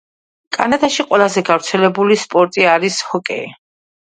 კანადაში ყველაზე გავრცელებული სპორტი არის ჰოკეი.